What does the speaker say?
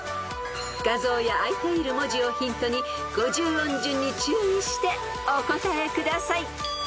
［画像やあいている文字をヒントに五十音順に注意してお答えください］